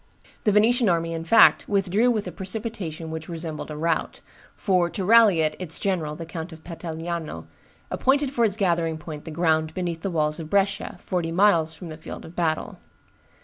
The Venetian army, in fact, withdrew with a precipitation which resembled a rout: for, to rally it, its general, the Count of Petigliano, appointed for its gathering point the ground beneath the walls of Brescia, forty miles from the field of battle.